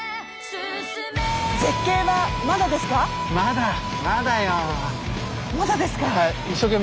まだですか？